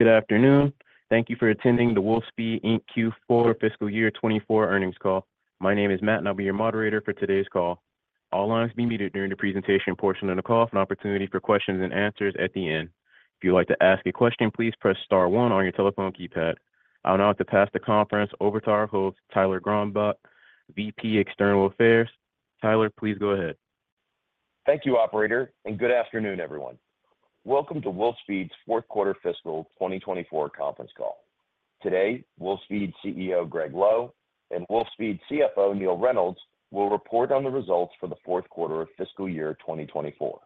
Good afternoon. Thank you for attending the Wolfspeed Inc. Q4 Fiscal Year 24 earnings call. My name is Matt, and I'll be your moderator for today's call. All lines will be muted during the presentation portion of the call, with an opportunity for questions and answers at the end. If you'd like to ask a question, please press star one on your telephone keypad. I would now like to pass the conference over to our host, Tyler Gronbach, VP External Affairs. Tyler, please go ahead. Thank you, operator, and good afternoon, everyone. Welcome to Wolfspeed's fourth quarter fiscal 2024 conference call. Today, Wolfspeed CEO, Gregg Lowe, and Wolfspeed CFO, Neill Reynolds, will report on the results for the fourth quarter of fiscal year 2024.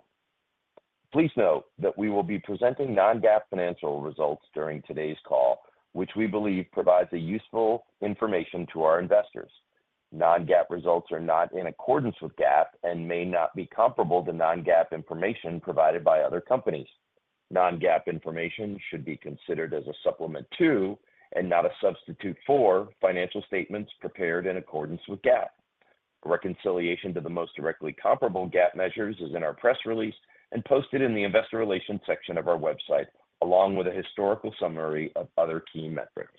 Please note that we will be presenting non-GAAP financial results during today's call, which we believe provides a useful information to our investors. Non-GAAP results are not in accordance with GAAP and may not be comparable to non-GAAP information provided by other companies. Non-GAAP information should be considered as a supplement to, and not a substitute for, financial statements prepared in accordance with GAAP. A reconciliation to the most directly comparable GAAP measures is in our press release and posted in the investor relations section of our website, along with a historical summary of other key metrics.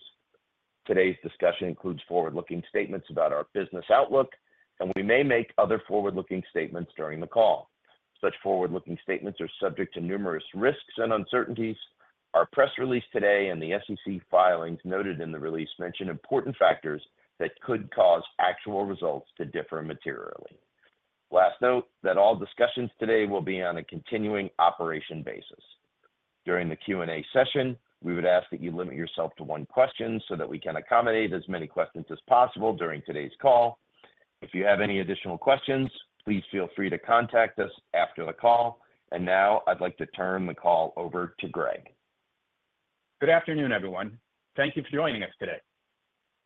Today's discussion includes forward-looking statements about our business outlook, and we may make other forward-looking statements during the call. Such forward-looking statements are subject to numerous risks and uncertainties. Our press release today and the SEC filings noted in the release mention important factors that could cause actual results to differ materially. Lastly, note that all discussions today will be on a continuing operations basis. During the Q&A session, we would ask that you limit yourself to one question so that we can accommodate as many questions as possible during today's call. If you have any additional questions, please feel free to contact us after the call. And now, I'd like to turn the call over to Gregg. Good afternoon, everyone. Thank you for joining us today.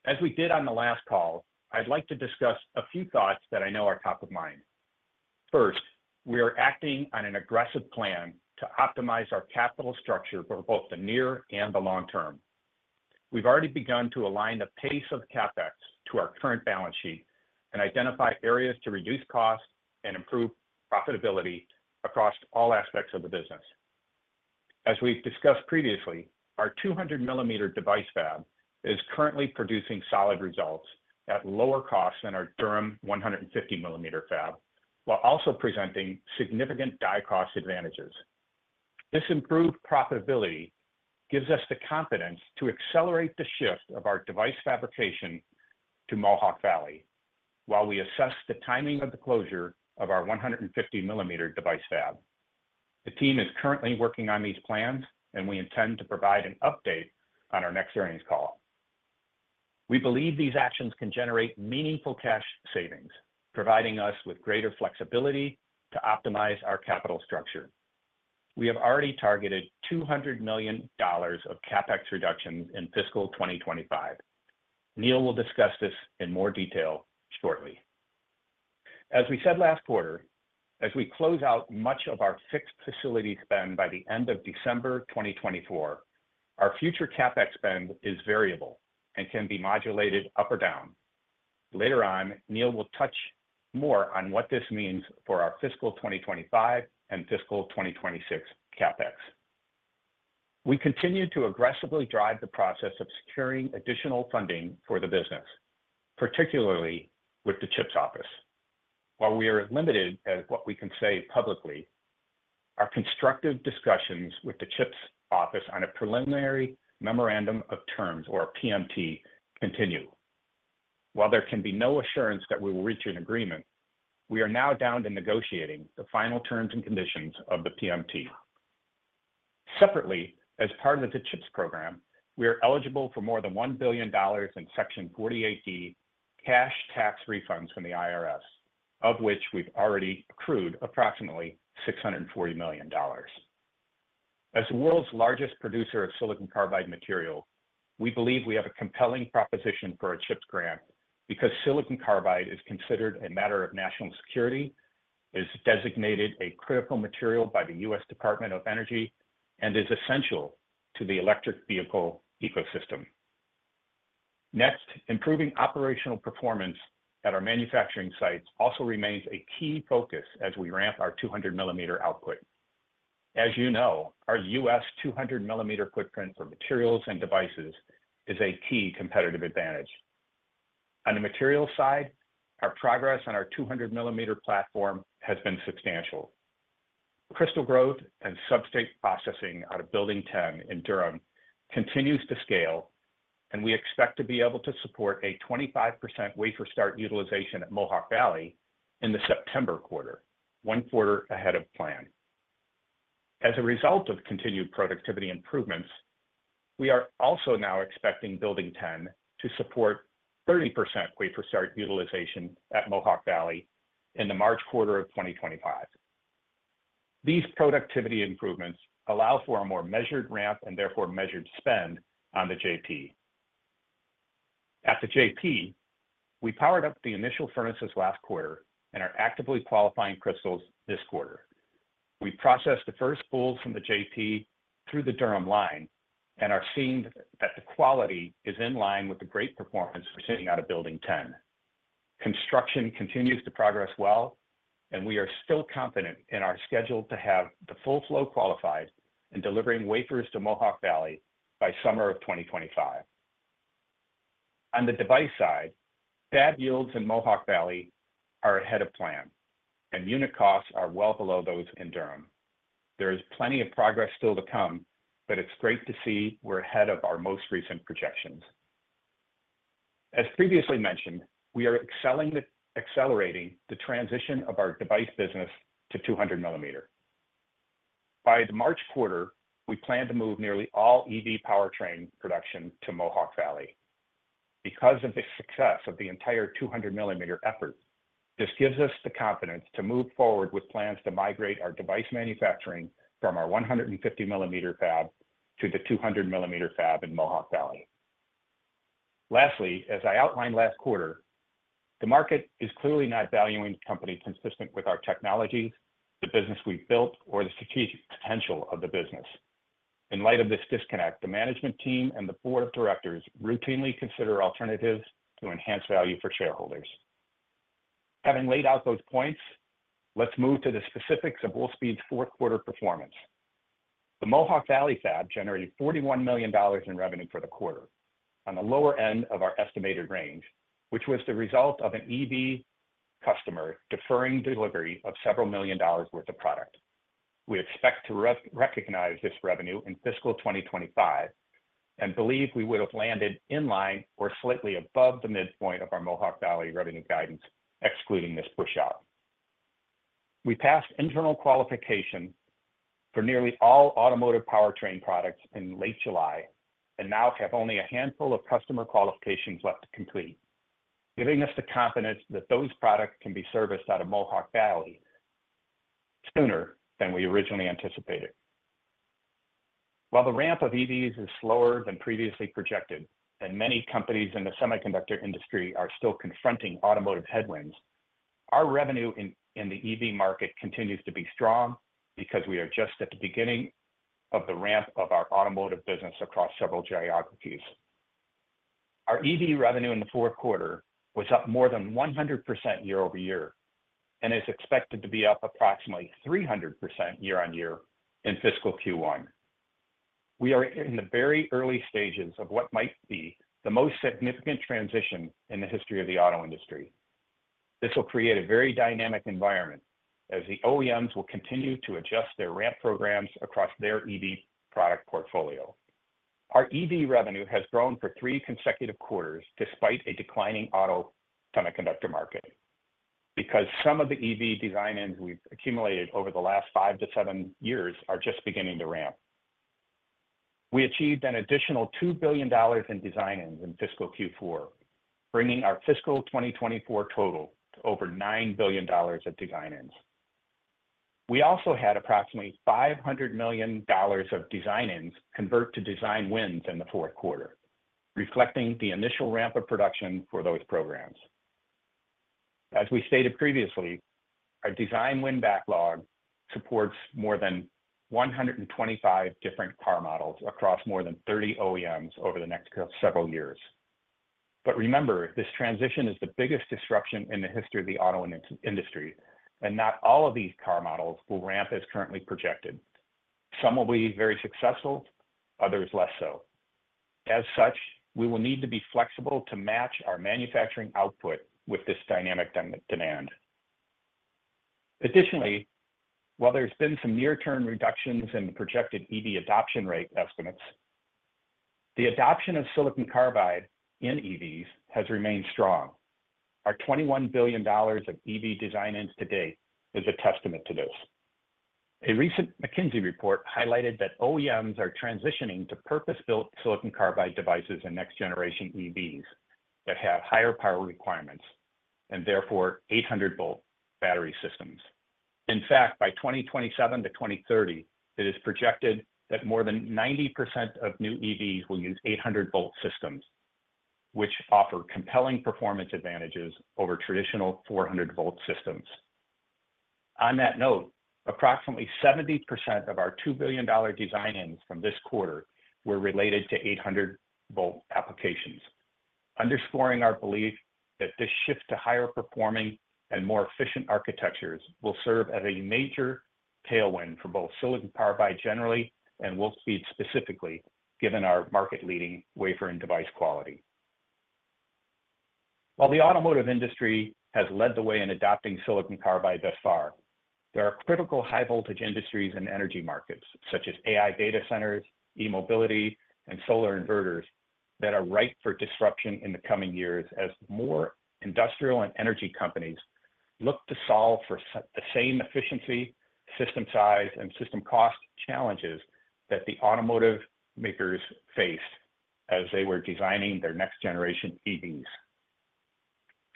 As we did on the last call, I'd like to discuss a few thoughts that I know are top of mind. First, we are acting on an aggressive plan to optimize our capital structure for both the near and the long term. We've already begun to align the pace of CapEx to our current balance sheet and identify areas to reduce costs and improve profitability across all aspects of the business. As we've discussed previously, our 200mm device fab is currently producing solid results at lower costs than our Durham 150mm fab, while also presenting significant die cost advantages. This improved profitability gives us the confidence to accelerate the shift of our device fabrication to Mohawk Valley while we assess the timing of the closure of our 150mm device fab. The team is currently working on these plans, and we intend to provide an update on our next earnings call. We believe these actions can generate meaningful cash savings, providing us with greater flexibility to optimize our capital structure. We have already targeted $200 million of CapEx reductions in fiscal 2025. Neill will discuss this in more detail shortly. As we said last quarter, as we close out much of our fixed facility spend by the end of December 2024, our future CapEx spend is variable and can be modulated up or down. Later on, Neill will touch more on what this means for our fiscal 2025 and fiscal 2026 CapEx. We continue to aggressively drive the process of securing additional funding for the business, particularly with the CHIPS office. While we are limited at what we can say publicly, our constructive discussions with the CHIPS office on a preliminary memorandum of terms, or a PMT, continue. While there can be no assurance that we will reach an agreement, we are now down to negotiating the final terms and conditions of the PMT. Separately, as part of the CHIPS program, we are eligible for more than $1 billion in Section 48D cash tax refunds from the IRS, of which we've already accrued approximately $640 million. As the world's largest producer of silicon carbide material, we believe we have a compelling proposition for a CHIPS grant because silicon carbide is considered a matter of national security, is designated a critical material by the U.S. Department of Energy, and is essential to the electric vehicle ecosystem. Next, improving operational performance at our manufacturing sites also remains a key focus as we ramp our 200mm output. As you know, our US 200mm footprint for materials and devices is a key competitive advantage. On the material side, our progress on our 200mm platform has been substantial. Crystal growth and substrate processing out of Building 10 in Durham continues to scale, and we expect to be able to support a 25% wafer start utilization at Mohawk Valley in the September quarter, one quarter ahead of plan. As a result of continued productivity improvements, we are also now expecting Building 10 to support 30% wafer start utilization at Mohawk Valley in the March quarter of 2025. These productivity improvements allow for a more measured ramp, and therefore measured spend on the JP. At the JP, we powered up the initial furnaces last quarter and are actively qualifying crystals this quarter. We processed the first pulls from the JP through the Durham line and are seeing that the quality is in line with the great performance we're seeing out of Building 10. Construction continues to progress well, and we are still confident in our schedule to have the full flow qualified and delivering wafers to Mohawk Valley by summer of 2025. On the device side, fab yields in Mohawk Valley are ahead of plan, and unit costs are well below those in Durham. There is plenty of progress still to come, but it's great to see we're ahead of our most recent projections. As previously mentioned, we are accelerating the transition of our device business to 200mm. By the March quarter, we plan to move nearly all EV powertrain production to Mohawk Valley. Because of the success of the entire 200mm effort, this gives us the confidence to move forward with plans to migrate our device manufacturing from our 150mm fab to the 200mm fab in Mohawk Valley. Lastly, as I outlined last quarter, the market is clearly not valuing the company consistent with our technologies, the business we've built, or the strategic potential of the business. In light of this disconnect, the management team and the board of directors routinely consider alternatives to enhance value for shareholders. Having laid out those points, let's move to the specifics of Wolfspeed's fourth quarter performance. The Mohawk Valley fab generated $41 million in revenue for the quarter, on the lower end of our estimated range, which was the result of an EV customer deferring delivery of several million dollars worth of product. We expect to re-recognize this revenue in fiscal 2025, and believe we would have landed in line or slightly above the midpoint of our Mohawk Valley revenue guidance, excluding this pushout. We passed internal qualification for nearly all automotive powertrain products in late July, and now have only a handful of customer qualifications left to complete, giving us the confidence that those products can be serviced out of Mohawk Valley sooner than we originally anticipated. While the ramp of EVs is slower than previously projected, and many companies in the semiconductor industry are still confronting automotive headwinds, our revenue in the EV market continues to be strong because we are just at the beginning of the ramp of our automotive business across several geographies. Our EV revenue in the fourth quarter was up more than 100% year over year, and is expected to be up approximately 300% year on year in fiscal Q1. We are in the very early stages of what might be the most significant transition in the history of the auto industry. This will create a very dynamic environment as the OEMs will continue to adjust their ramp programs across their EV product portfolio. Our EV revenue has grown for three consecutive quarters, despite a declining auto semiconductor market, because some of the EV design-ins we've accumulated over the last five to seven years are just beginning to ramp. We achieved an additional $2 billion in design-ins in fiscal Q4, bringing our fiscal 2024 total to over $9 billion of design-ins. We also had approximately $500 million of design-ins convert to design wins in the fourth quarter, reflecting the initial ramp of production for those programs. As we stated previously, our design win backlog supports more than 125 different car models across more than 30 OEMs over the next several years. But remember, this transition is the biggest disruption in the history of the auto industry, and not all of these car models will ramp as currently projected. Some will be very successful, others less so. As such, we will need to be flexible to match our manufacturing output with this dynamic demand. Additionally, while there's been some near-term reductions in the projected EV adoption rate estimates, the adoption of silicon carbide in EVs has remained strong. Our $21 billion of EV design-ins to date is a testament to this. A recent McKinsey report highlighted that OEMs are transitioning to purpose-built silicon carbide devices and next-generation EVs that have higher power requirements, and therefore, 800-volt battery systems. In fact, by 2027 to 2030, it is projected that more than 90% of new EVs will use 800-volt systems, which offer compelling performance advantages over traditional 400-volt systems. On that note, approximately 70% of our $2 billion design-ins from this quarter were related to 800-volt applications, underscoring our belief that this shift to higher performing and more efficient architectures will serve as a major tailwind for both silicon carbide generally, and Wolfspeed specifically, given our market-leading wafer and device quality. While the automotive industry has led the way in adopting silicon carbide thus far, there are critical high voltage industries and energy markets, such as AI data centers, e-mobility, and solar inverters, that are ripe for disruption in the coming years as more industrial and energy companies look to solve for the same efficiency, system size, and system cost challenges that the automotive makers faced as they were designing their next generation EVs.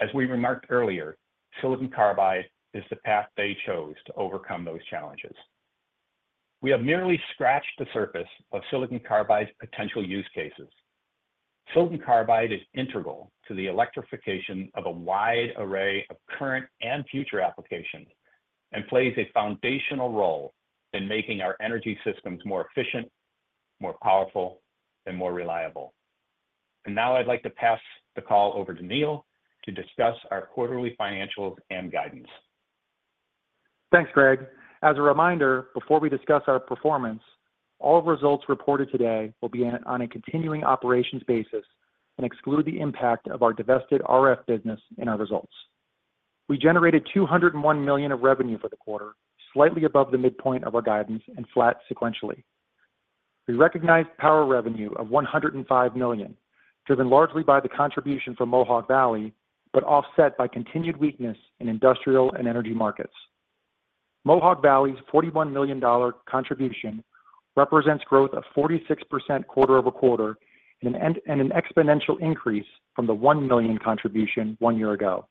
As we remarked earlier, silicon carbide is the path they chose to overcome those challenges. We have merely scratched the surface of silicon carbide's potential use cases. Silicon carbide is integral to the electrification of a wide array of current and future applications, and plays a foundational role in making our energy systems more efficient, more powerful, and more reliable. Now I'd like to pass the call over to Neill to discuss our quarterly financials and guidance. Thanks, Gregg. As a reminder, before we discuss our performance, all results reported today will be on a continuing operations basis and exclude the impact of our divested RF business in our results. We generated $201 million of revenue for the quarter, slightly above the midpoint of our guidance and flat sequentially. We recognized power revenue of $105 million, driven largely by the contribution from Mohawk Valley, but offset by continued weakness in industrial and energy markets. Mohawk Valley's $41 million contribution represents growth of 46% quarter over quarter and an exponential increase from the $1 million contribution one year ago.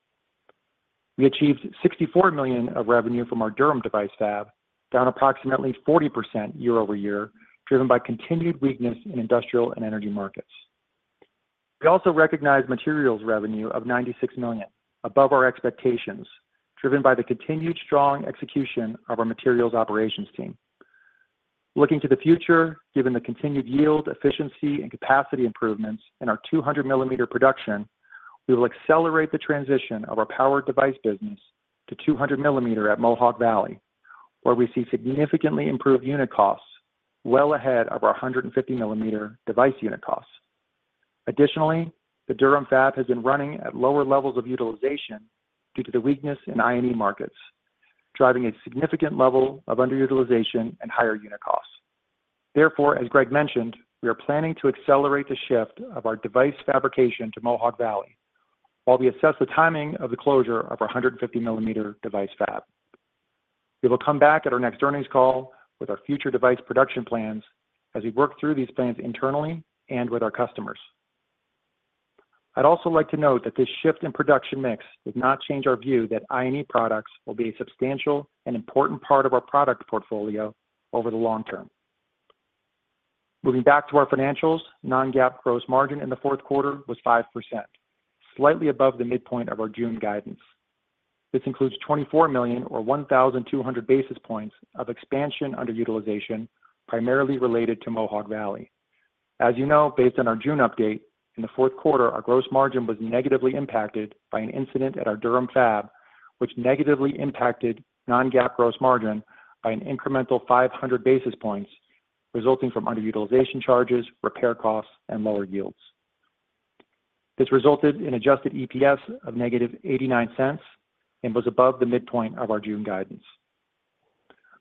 We achieved $64 million of revenue from our Durham device fab, down approximately 40% year over year, driven by continued weakness in industrial and energy markets. We also recognized materials revenue of $96 million, above our expectations, driven by the continued strong execution of our materials operations team. Looking to the future, given the continued yield, efficiency, and capacity improvements in our 200mm production, we will accelerate the transition of our power device business to 200mm at Mohawk Valley, where we see significantly improved unit costs well ahead of our 150mm device unit costs. Additionally, the Durham fab has been running at lower levels of utilization due to the weakness in I&E markets, driving a significant level of underutilization and higher unit costs. Therefore, as Gregg mentioned, we are planning to accelerate the shift of our device fabrication to Mohawk Valley while we assess the timing of the closure of our 150mm device fab. We will come back at our next earnings call with our future device production plans as we work through these plans internally and with our customers. I'd also like to note that this shift in production mix does not change our view that I&E products will be a substantial and important part of our product portfolio over the long term. Moving back to our financials, non-GAAP gross margin in the fourth quarter was 5%, slightly above the midpoint of our June guidance. This includes $24 million, or 1,200 basis points, of expansion underutilization, primarily related to Mohawk Valley. As you know, based on our June update, in the fourth quarter, our gross margin was negatively impacted by an incident at our Durham fab, which negatively impacted non-GAAP gross margin by an incremental 500 basis points, resulting from underutilization charges, repair costs, and lower yields. This resulted in adjusted EPS of -$0.89 and was above the midpoint of our June guidance.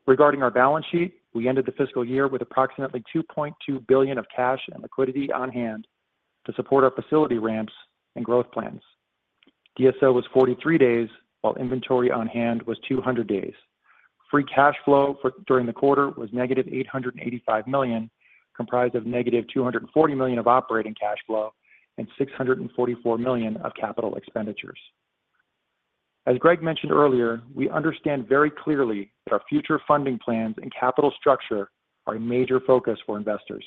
Regarding our balance sheet, we ended the fiscal year with approximately $2.2 billion of cash and liquidity on hand to support our facility ramps and growth plans. DSO was 43 days, while inventory on hand was 200 days. Free cash flow during the quarter was -$885 million, comprised of -$240 million of operating cash flow and $644 million of capital expenditures. As Gregg mentioned earlier, we understand very clearly that our future funding plans and capital structure are a major focus for investors.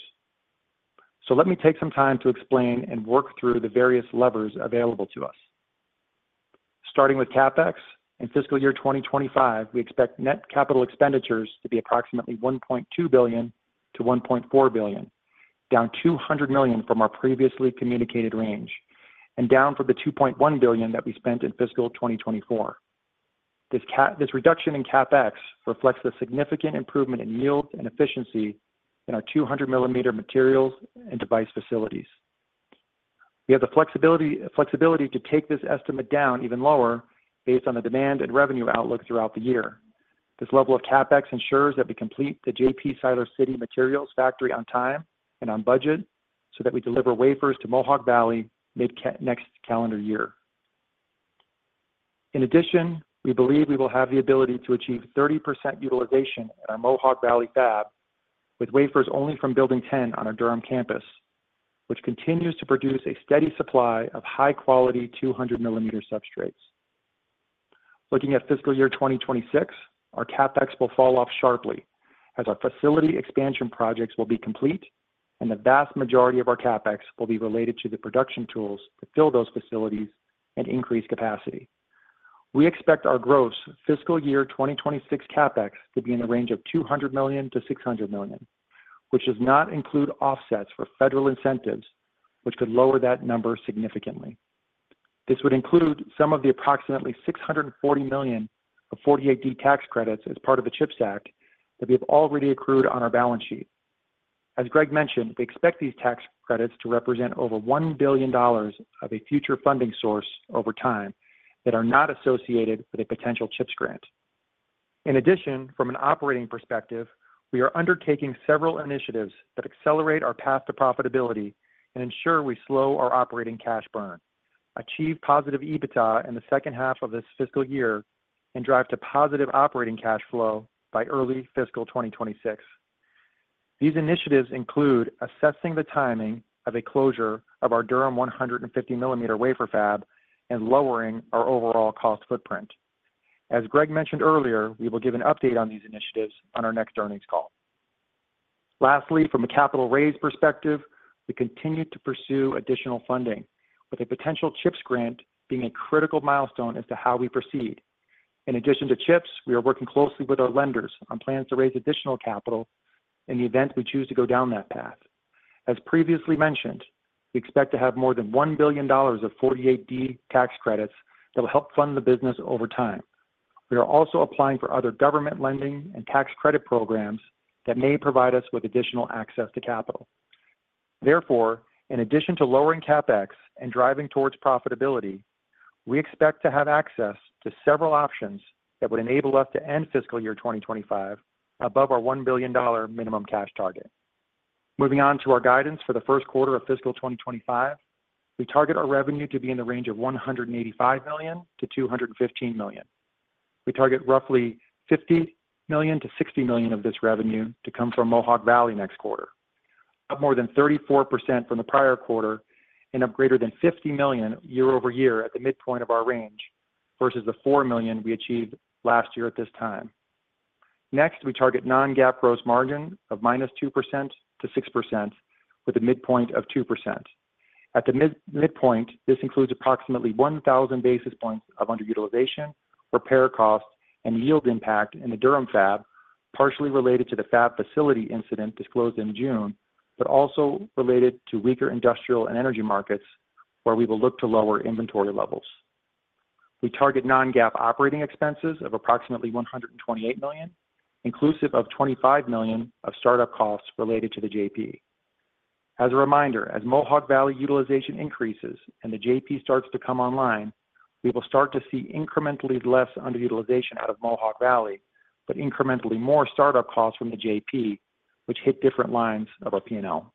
So let me take some time to explain and work through the various levers available to us. Starting with CapEx, in fiscal year 2025, we expect net capital expenditures to be approximately $1.2 billion-$1.4 billion, down $200 million from our previously communicated range and down from the $2.1 billion that we spent in fiscal 2024. This reduction in CapEx reflects the significant improvement in yield and efficiency in our 200mm materials and device facilities. We have the flexibility to take this estimate down even lower based on the demand and revenue outlook throughout the year. This level of CapEx ensures that we complete the JP Siler City materials factory on time and on budget, so that we deliver wafers to Mohawk Valley mid next calendar year. In addition, we believe we will have the ability to achieve 30% utilization at our Mohawk Valley fab with wafers only from Building 10 on our Durham campus, which continues to produce a steady supply of high-quality 200mm substrates. Looking at fiscal year 2026, our CapEx will fall off sharply as our facility expansion projects will be complete, and the vast majority of our CapEx will be related to the production tools that fill those facilities and increase capacity. We expect our gross fiscal year 2026 CapEx to be in the range of $200 million-$600 million, which does not include offsets for federal incentives, which could lower that number significantly. This would include some of the approximately $640 million of 48D tax credits as part of the CHIPS Act that we have already accrued on our balance sheet. As Gregg mentioned, we expect these tax credits to represent over $1 billion of a future funding source over time that are not associated with a potential CHIPS grant. In addition, from an operating perspective, we are undertaking several initiatives that accelerate our path to profitability and ensure we slow our operating cash burn, achieve positive EBITDA in the second half of this fiscal year, and drive to positive operating cash flow by early fiscal 2026. These initiatives include assessing the timing of a closure of our Durham 150mm wafer fab and lowering our overall cost footprint. As Gregg mentioned earlier, we will give an update on these initiatives on our next earnings call. Lastly, from a capital raise perspective, we continue to pursue additional funding, with a potential CHIPS grant being a critical milestone as to how we proceed. In addition to CHIPS, we are working closely with our lenders on plans to raise additional capital in the event we choose to go down that path. As previously mentioned, we expect to have more than $1 billion of 48D tax credits that will help fund the business over time. We are also applying for other government lending and tax credit programs that may provide us with additional access to capital. Therefore, in addition to lowering CapEx and driving towards profitability, we expect to have access to several options that would enable us to end fiscal year 2025 above our $1 billion minimum cash target. Moving on to our guidance for the first quarter of fiscal 2025, we target our revenue to be in the range of $185 million-$215 million. We target roughly $50 million-$60 million of this revenue to come from Mohawk Valley next quarter, up more than 34% from the prior quarter, and up greater than $50 million year over year at the midpoint of our range, versus the $4 million we achieved last year at this time. Next, we target non-GAAP gross margin of -2% to 6%, with a midpoint of 2%. At the midpoint, this includes approximately 1,000 basis points of underutilization, repair costs, and yield impact in the Durham fab, partially related to the fab facility incident disclosed in June, but also related to weaker industrial and energy markets, where we will look to lower inventory levels. We target non-GAAP operating expenses of approximately $128 million, inclusive of $25 million of startup costs related to the JP. As a reminder, as Mohawk Valley utilization increases and the JP starts to come online, we will start to see incrementally less underutilization out of Mohawk Valley, but incrementally more startup costs from the JP, which hit different lines of our P&L.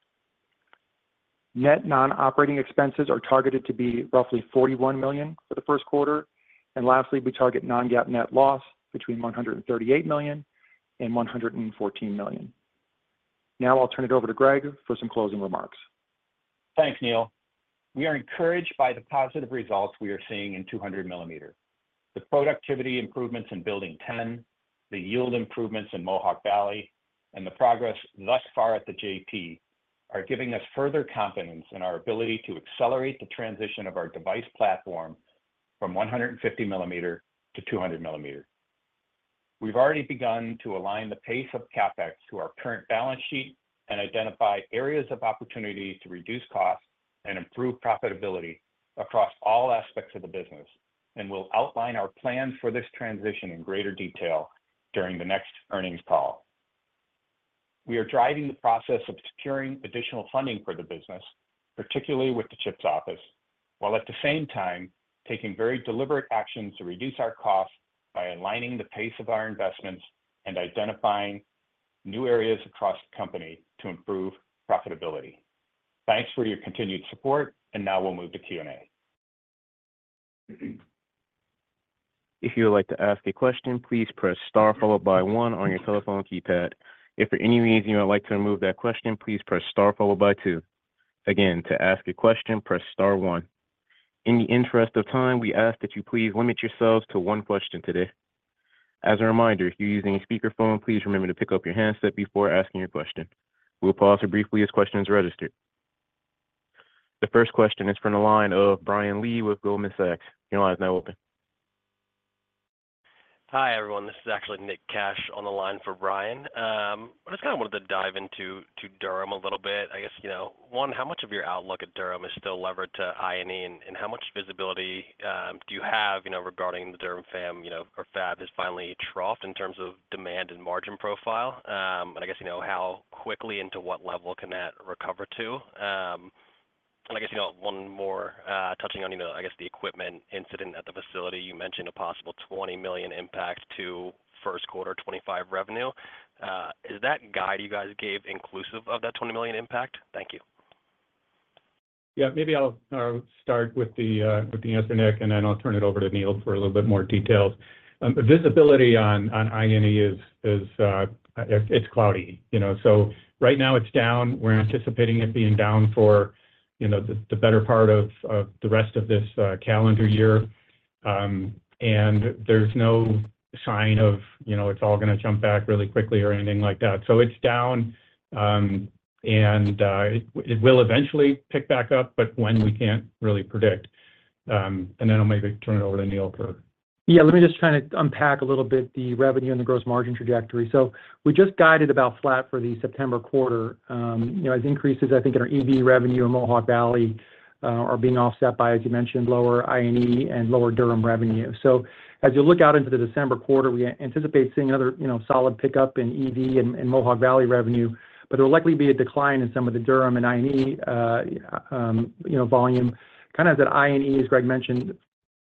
Net non-operating expenses are targeted to be roughly $41 million for the first quarter. And lastly, we target non-GAAP net loss between $138 million and $114 million. Now I'll turn it over to Gregg for some closing remarks. Thanks, Neill. We are encouraged by the positive results we are seeing in 200mm. The productivity improvements in Building 10, the yield improvements in Mohawk Valley, and the progress thus far at the JP, are giving us further confidence in our ability to accelerate the transition of our device platform from 150mm to 200mm. We've already begun to align the pace of CapEx to our current balance sheet and identify areas of opportunity to reduce costs and improve profitability across all aspects of the business, and we'll outline our plan for this transition in greater detail during the next earnings call. We are driving the process of securing additional funding for the business, particularly with the CHIPS office, while at the same time taking very deliberate actions to reduce our costs by aligning the pace of our investments and identifying new areas across the company to improve profitability. Thanks for your continued support, and now we'll move to Q&A. If you would like to ask a question, please press Star followed by one on your telephone keypad. If for any reason you would like to remove that question, please press Star followed by two. Again, to ask a question, press Star one. In the interest of time, we ask that you please limit yourselves to one question today. As a reminder, if you're using a speakerphone, please remember to pick up your handset before asking your question. We'll pause here briefly as a question is registered. The first question is from the line of Brian Lee with Goldman Sachs. Your line is now open. Hi, everyone. This is actually Nick Cash on the line for Brian. I just kind of wanted to dive into Durham a little bit. I guess, you know, one, how much of your outlook at Durham is still levered to EV, and how much visibility do you have, you know, regarding the Durham fab, you know, or fab, has finally troughed in terms of demand and margin profile? And I guess you know, how quickly into what level can that recover to? And I guess, you know, one more, touching on, you know, I guess the equipment incident at the facility, you mentioned a possible $20 million impact to first quarter 2025 revenue. Is that guide you guys gave inclusive of that $20 million impact? Thank you. Yeah, maybe I'll start with the answer, Nick, and then I'll turn it over to Neill for a little bit more details. The visibility on I&E is cloudy. You know, so right now it's down. We're anticipating it being down for, you know, the better part of the rest of this calendar year, and there's no sign of, you know, it's all gonna jump back really quickly or anything like that, so it's down, and it will eventually pick back up, but when we can't really predict, and then I'll maybe turn it over to Neill for. Yeah, let me just try to unpack a little bit the revenue and the gross margin trajectory. So we just guided about flat for the September quarter, you know, as increases, I think, in our EV revenue in Mohawk Valley are being offset by, as you mentioned, lower I&E and lower Durham revenue. So as you look out into the December quarter, we anticipate seeing another, you know, solid pickup in EV and Mohawk Valley revenue, but there will likely be a decline in some of the Durham and I&E, you know, volume. Kind of that I&E, as Gregg mentioned,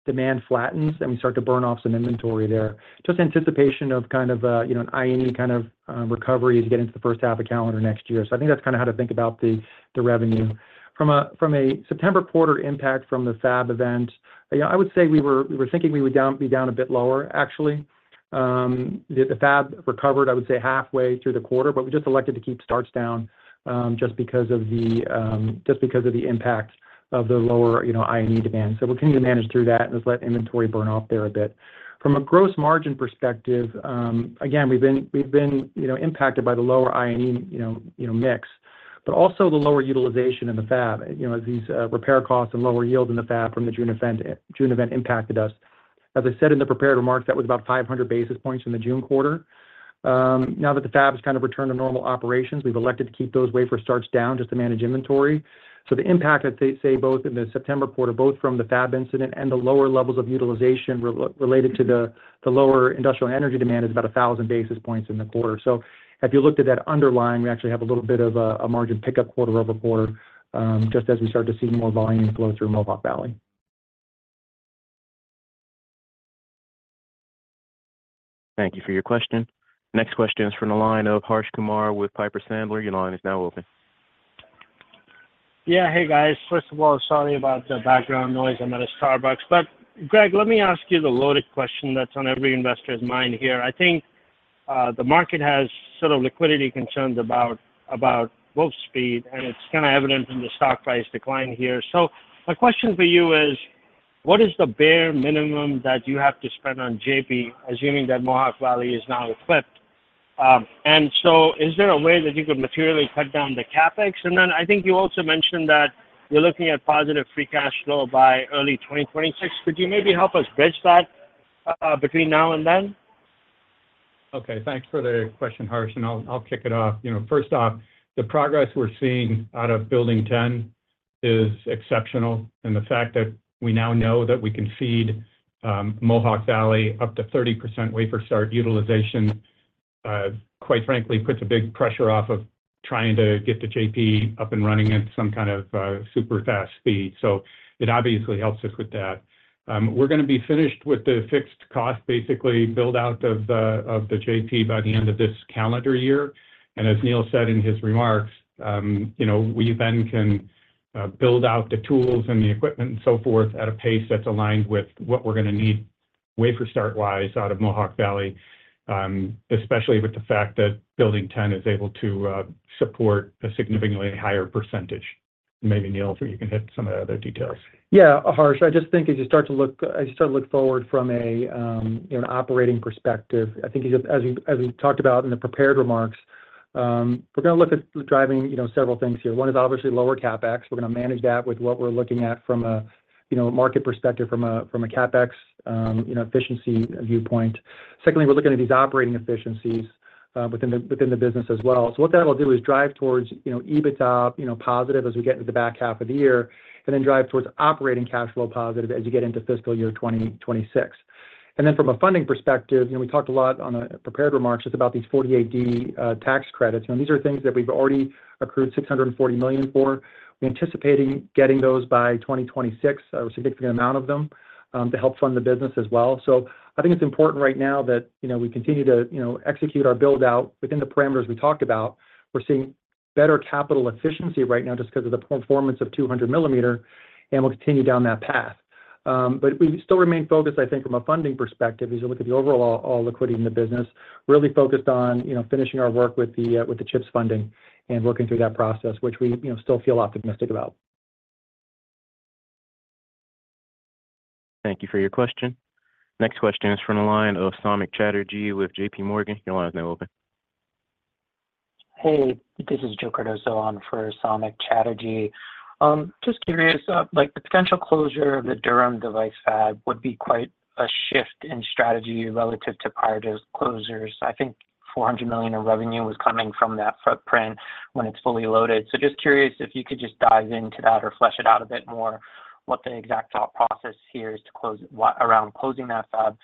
demand flattens, and we start to burn off some inventory there. Just anticipation of kind of a, you know, an I&E kind of recovery as you get into the first half of calendar next year. I think that's kind of how to think about the revenue. From a September quarter impact from the fab event, you know, I would say we were thinking we would be down a bit lower, actually. The fab recovered, I would say, halfway through the quarter, but we just elected to keep starts down, just because of the impact of the lower, you know, I&E demand. We'll continue to manage through that and just let inventory burn off there a bit. From a gross margin perspective, again, we've been you know, impacted by the lower I&E, you know, mix. But also the lower utilization in the fab, you know, as these repair costs and lower yield in the fab from the June event impacted us. As I said in the prepared remarks, that was about 500 basis points in the June quarter. Now that the fab has kind of returned to normal operations, we've elected to keep those wafer starts down just to manage inventory. So the impact, I'd say, both in the September quarter, both from the fab incident and the lower levels of utilization related to the lower industrial energy demand, is about 1,000 basis points in the quarter. So if you looked at that underlying, we actually have a little bit of a margin pickup quarter over quarter, just as we start to see more volume flow through Mohawk Valley. Thank you for your question. Next question is from the line of Harsh Kumar with Piper Sandler. Your line is now open. Yeah. Hey, guys. First of all, sorry about the background noise, I'm at a Starbucks, but Gregg, let me ask you the loaded question that's on every investor's mind here. I think, the market has sort of liquidity concerns about Wolfspeed, and it's kind of evident from the stock price decline here, so my question for you is, what is the bare minimum that you have to spend on JP, assuming that Mohawk Valley is now equipped, and so is there a way that you could materially cut down the CapEx, and then I think you also mentioned that you're looking at positive free cash flow by early 2026. Could you maybe help us bridge that, between now and then? Okay, thanks for the question, Harsh, and I'll kick it off. You know, first off, the progress we're seeing out of Building 10 is exceptional, and the fact that we now know that we can feed Mohawk Valley up to 30% wafer start utilization, quite frankly, puts a big pressure off of trying to get the JP up and running at some kind of super fast speed. So it obviously helps us with that. We're gonna be finished with the fixed cost, basically build out of the JP by the end of this calendar year. And as Neill said in his remarks, you know, we then can build out the tools and the equipment and so forth at a pace that's aligned with what we're gonna need, wafer start-wise, out of Mohawk Valley, especially with the fact that Building 10 is able to support a significantly higher percentage. Maybe, Neill, you can hit some of the other details. Yeah, Harsh, I just think as you start to look forward from a, an operating perspective, I think as you, as we talked about in the prepared remarks, we're gonna look at driving, you know, several things here. One is obviously lower CapEx. We're gonna manage that with what we're looking at from a, you know, market perspective, from a CapEx efficiency viewpoint. Secondly, we're looking at these operating efficiencies within the business as well. So what that will do is drive towards, you know, EBITDA, you know, positive as we get into the back half of the year, and then drive towards operating cash flow positive as you get into fiscal year 2026. And then from a funding perspective, you know, we talked a lot on the prepared remarks. It's about these 48D tax credits. And these are things that we've already accrued $640 million for. We're anticipating getting those by 2026, a significant amount of them, to help fund the business as well. So I think it's important right now that, you know, we continue to, you know, execute our build-out within the parameters we talked about. We're seeing better capital efficiency right now just because of the performance of 200mm, and we'll continue down that path. But we still remain focused, I think, from a funding perspective, as you look at the overall liquidity in the business, really focused on, you know, finishing our work with the CHIPS funding and working through that process, which we, you know, still feel optimistic about. Thank you for your question. Next question is from the line of Samik Chatterjee with JPMorgan. Your line is now open. Hey, this is Joe Cardoso on for Samik Chatterjee. Just curious, like the potential closure of the Durham device fab would be quite a shift in strategy relative to prior to closures. I think $400 million of revenue was coming from that footprint when it's fully loaded. So just curious if you could just dive into that or flesh it out a bit more, what the exact thought process here is around closing that fab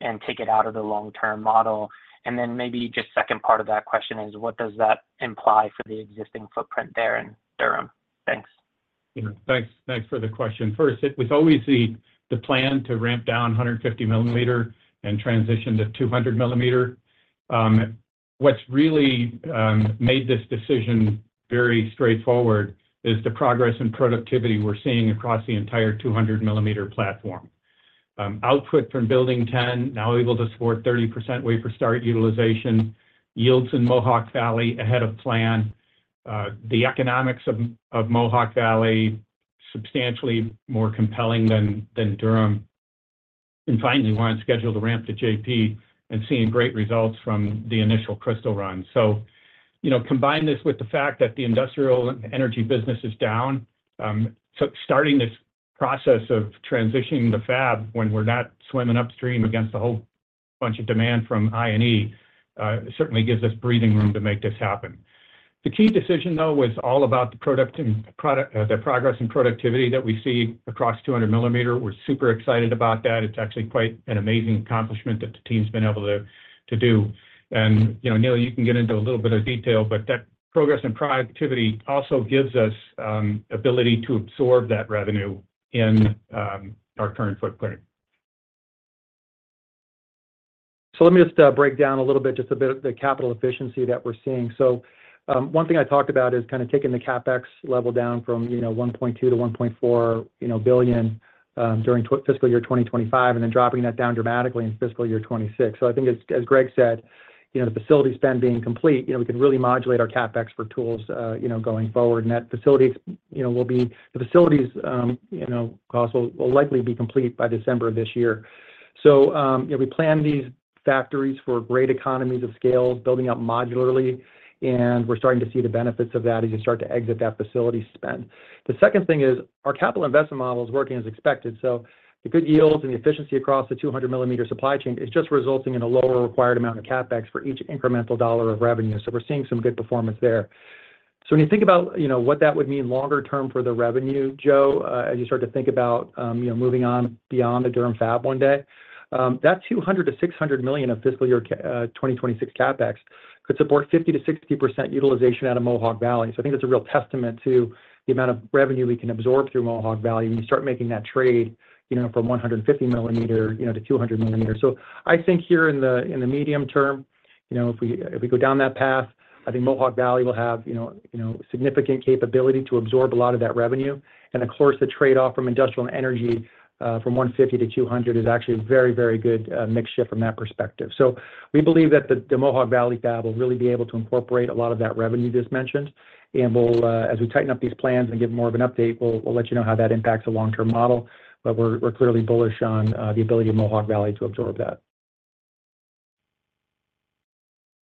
and take it out of the long-term model. And then maybe just second part of that question is, what does that imply for the existing footprint there in Durham? Thanks. Thanks, thanks for the question. First, it was always the plan to ramp down 150mm and transition to 200mm. What's really made this decision very straightforward is the progress in productivity we're seeing across the entire 200mm platform. Output from Building 10, now able to support 30% wafer start utilization, yields in Mohawk Valley ahead of plan, the economics of Mohawk Valley substantially more compelling than Durham. And finally, we're on schedule to ramp to JP and seeing great results from the initial crystal run. So you know, combine this with the fact that the industrial energy business is down, so starting this process of transitioning the fab when we're not swimming upstream against a whole bunch of demand from I&E, certainly gives us breathing room to make this happen. The key decision, though, was all about the product and the progress and productivity that we see across 200mm. We're super excited about that. It's actually quite an amazing accomplishment that the team's been able to do, and you know, Neill, you can get into a little bit of detail, but that progress and productivity also gives us ability to absorb that revenue in our current footprint. Let me just break down a little bit, just a bit of the capital efficiency that we're seeing. One thing I talked about is kind of taking the CapEx level down from, you know, $1.2-$1.4 billion during fiscal year 2025, and then dropping that down dramatically in fiscal year 2026. I think as Gregg said, you know, the facility spend being complete, you know, we can really modulate our CapEx for tools, you know, going forward. And the facilities, you know, costs will likely be complete by December of this year. We plan these factories for great economies of scale, building up modularly, and we're starting to see the benefits of that as you start to exit that facility spend. The second thing is, our capital investment model is working as expected, so the good yields and the efficiency across the 200mm supply chain is just resulting in a lower required amount of CapEx for each incremental dollar of revenue. So we're seeing some good performance there. So when you think about, you know, what that would mean longer term for the revenue, Joe, as you start to think about, you know, moving on beyond the Durham fab one day, that $200 million to $600 million of fiscal year 2026 CapEx could support 50%-60% utilization out of Mohawk Valley. So I think it's a real testament to the amount of revenue we can absorb through Mohawk Valley. When you start making that trade, you know, from 150mm, you know, to 200mm. So I think here in the medium term, you know, if we go down that path, I think Mohawk Valley will have, you know, significant capability to absorb a lot of that revenue. And of course, the trade-off from industrial and energy, from 150 to 200 is actually a very good mix shift from that perspective. So we believe that the Mohawk Valley fab will really be able to incorporate a lot of that revenue just mentioned. And we'll, as we tighten up these plans and give more of an update, we'll let you know how that impacts the long-term model, but we're clearly bullish on the ability of Mohawk Valley to absorb that.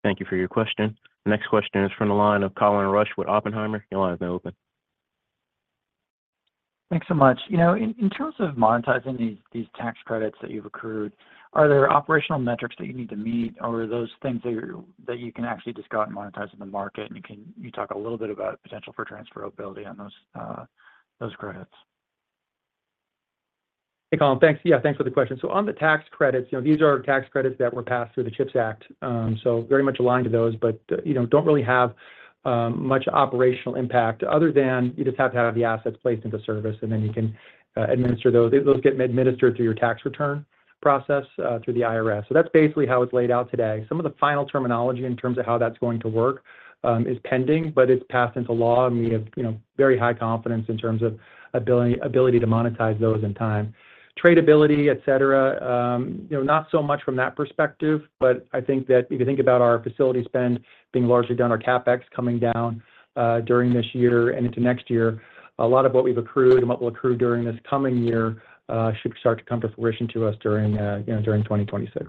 Thank you for your question. The next question is from the line of Colin Rusch with Oppenheimer. Your line is now open. Thanks so much. You know, in terms of monetizing these tax credits that you've accrued, are there operational metrics that you need to meet, or are those things that you can actually just go out and monetize in the market? And can you talk a little bit about potential for transferability on those credits? Hey, Colin. Thanks. Yeah, thanks for the question. So on the tax credits, you know, these are tax credits that were passed through the CHIPS Act, so very much aligned to those, but, you know, don't really have much operational impact other than you just have to have the assets placed into service, and then you can administer those. Those get administered through your tax return process through the IRS. So that's basically how it's laid out today. Some of the final terminology in terms of how that's going to work is pending, but it's passed into law, and we have, you know, very high confidence in terms of ability to monetize those in time. Tradability, et cetera, you know, not so much from that perspective, but I think that if you think about our facility spend being largely down, our CapEx coming down, during this year and into next year, a lot of what we've accrued and what we'll accrue during this coming year, should start to come to fruition to us during, you know, during 2026.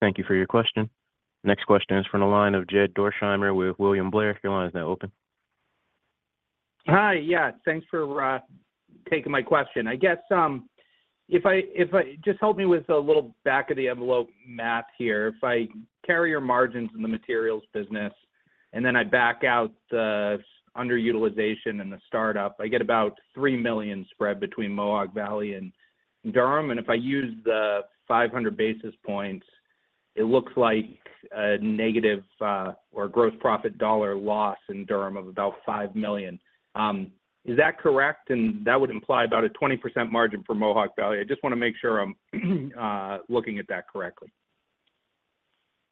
Thank you for your question. Next question is from the line of Jed Dorsheimer with William Blair. Your line is now open. Hi. Yeah, thanks for taking my question. I guess, just help me with a little back of the envelope math here. If I carry your margins in the materials business, and then I back out the underutilization and the startup, I get about $3 million spread between Mohawk Valley and Durham. If I use the 500 basis points, it looks like a negative or gross profit dollar loss in Durham of about $5 million. Is that correct? That would imply about a 20% margin for Mohawk Valley. I just want to make sure I'm looking at that correctly.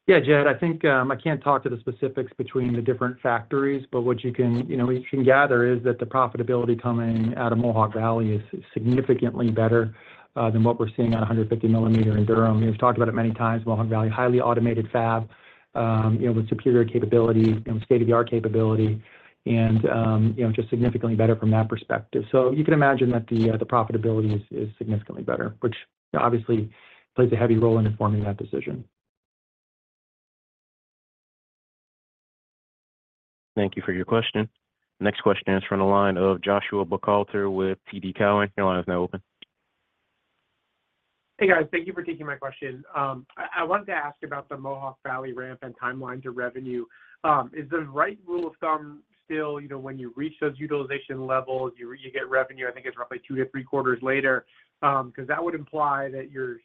Yeah, Jed, I think, I can't talk to the specifics between the different factories, but what you can, you know, you can gather is that the profitability coming out of Mohawk Valley is significantly better than what we're seeing on a 150mm in Durham. We've talked about it many times. Mohawk Valley, highly automated fab, you know, with superior capability and state-of-the-art capability and, you know, just significantly better from that perspective. So you can imagine that the profitability is significantly better, which obviously plays a heavy role in informing that decision. Thank you for your question. Next question is from the line of Joshua Buchalter with TD Cowen. Your line is now open. Hey, guys. Thank you for taking my question. I wanted to ask about the Mohawk Valley ramp and timeline to revenue. Is the right rule of thumb still, you know, when you reach those utilization levels, you get revenue, I think it's roughly two to three quarters later? Because that would imply that you're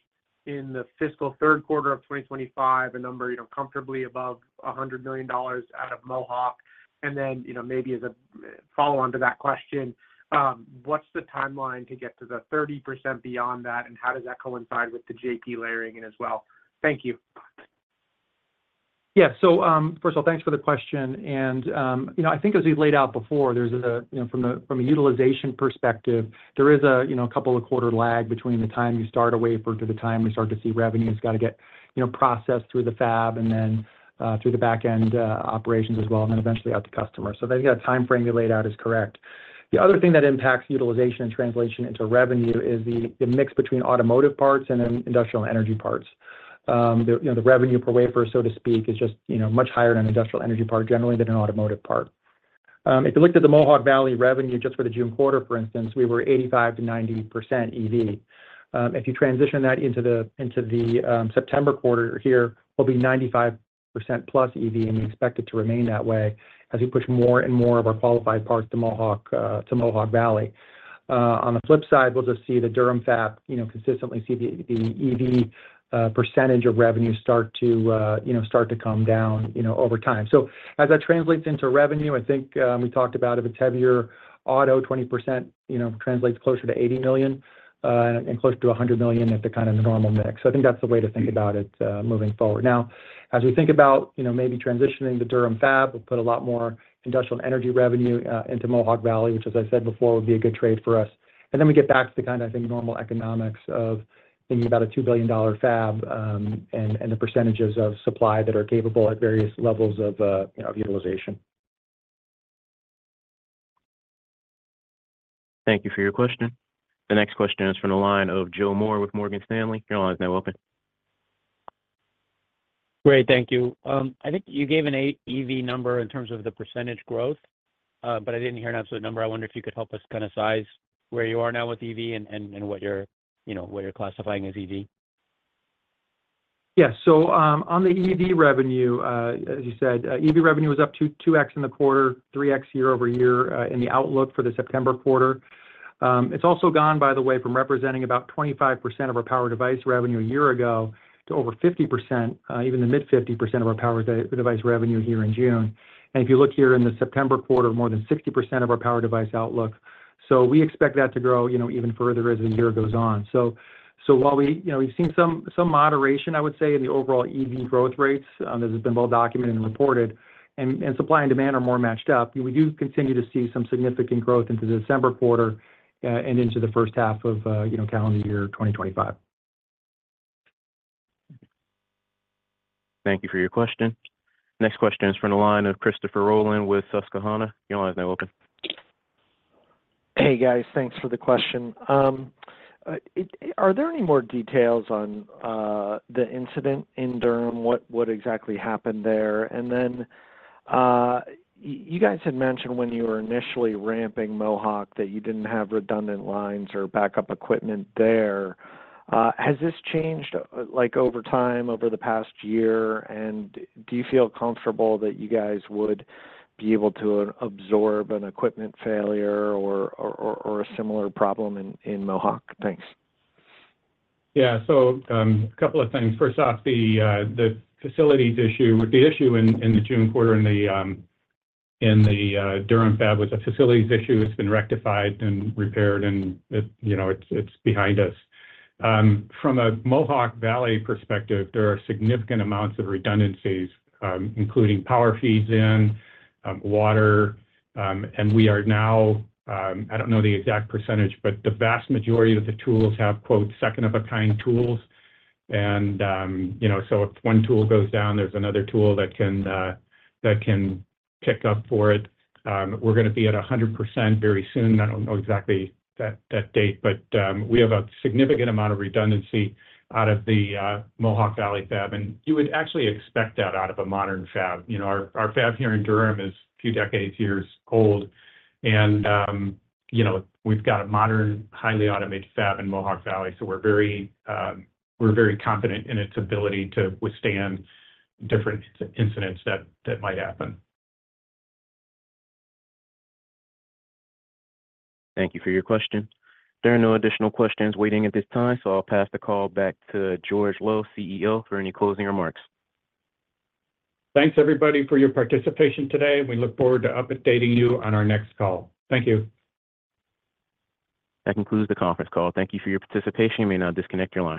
in the fiscal third quarter of 2025, a number, you know, comfortably above $100 million out of Mohawk. And then, you know, maybe as a follow-on to that question, what's the timeline to get to the 30% beyond that, and how does that coincide with the JP layering in as well? Thank you. Yeah. So, first of all, thanks for the question, and, you know, I think as we laid out before, there's a, you know, from a utilization perspective, there is a, you know, couple of quarter lag between the time you start a wafer to the time we start to see revenue. It's got to get, you know, processed through the fab and then through the back end operations as well, and then eventually out to customer. So that timeframe you laid out is correct. The other thing that impacts utilization and translation into revenue is the mix between automotive parts and then industrial and energy parts. The, you know, the revenue per wafer, so to speak, is just, you know, much higher than an industrial energy part generally than an automotive part. If you looked at the Mohawk Valley revenue just for the June quarter, for instance, we were 85%-90% EV. If you transition that into the September quarter here, we'll be 95% plus EV, and we expect it to remain that way as we push more and more of our qualified parts to Mohawk Valley. On the flip side, we'll just see the Durham fab, you know, consistently see the EV percentage of revenue start to come down, you know, over time. So as that translates into revenue, I think we talked about if it's heavier auto, 20%, you know, translates closer to $80 million and closer to $100 million at the kind of the normal mix. So I think that's the way to think about it, moving forward. Now, as we think about, you know, maybe transitioning the Durham fab, we'll put a lot more industrial and energy revenue into Mohawk Valley, which, as I said before, would be a good trade for us. And then we get back to the kind of, I think, normal economics of thinking about a $2 billion fab, and the percentages of supply that are capable at various levels of, you know, utilization. Thank you for your question. The next question is from the line of Joe Moore with Morgan Stanley. Your line is now open. Great. Thank you. I think you gave an EV number in terms of the percentage growth. But I didn't hear an absolute number. I wonder if you could help us kind of size where you are now with EV and what you're, you know, what you're classifying as EV? Yes. So, on the EV revenue, as you said, EV revenue was up to 2x in the quarter, 3x year over year, in the outlook for the September quarter. It's also gone, by the way, from representing about 25% of our power device revenue a year ago, to over 50%, even the mid 50% of our power device revenue here in June. And if you look here in the September quarter, more than 60% of our power device outlook. So we expect that to grow, you know, even further as the year goes on. While we, you know, we've seen some moderation, I would say, in the overall EV growth rates, as has been well documented and reported, and supply and demand are more matched up, we do continue to see some significant growth into the December quarter, and into the first half of, you know, calendar year 2025. Thank you for your question. Next question is from the line of Christopher Rolland with Susquehanna. Your line is now open. Hey, guys. Thanks for the question. Are there any more details on the incident in Durham? What exactly happened there? And then, you guys had mentioned when you were initially ramping Mohawk, that you didn't have redundant lines or backup equipment there. Has this changed, like, over time, over the past year? And do you feel comfortable that you guys would be able to absorb an equipment failure or a similar problem in Mohawk? Thanks. Yeah. So, a couple of things. First off, the facilities issue, the issue in the June quarter in the Durham fab was a facilities issue. It's been rectified and repaired, and it, you know, it's behind us. From a Mohawk Valley perspective, there are significant amounts of redundancies, including power feeds in water, and we are now, I don't know the exact percentage, but the vast majority of the tools have, quote, "second of a kind tools." And, you know, so if one tool goes down, there's another tool that can pick up for it. We're gonna be at 100% very soon. I don't know exactly that date, but we have a significant amount of redundancy out of the Mohawk Valley fab, and you would actually expect that out of a modern fab. You know, our fab here in Durham is a few decades old, and you know, we've got a modern, highly automated fab in Mohawk Valley, so we're very, we're very confident in its ability to withstand different incidents that might happen. Thank you for your question. There are no additional questions waiting at this time, so I'll pass the call back to Gregg Lowe, CEO, for any closing remarks. Thanks, everybody, for your participation today. We look forward to updating you on our next call. Thank you. That concludes the conference call. Thank you for your participation. You may now disconnect your line.